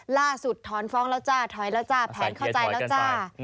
ถอนฟ้องแล้วจ้าถอยแล้วจ้าแผนเข้าใจแล้วจ้า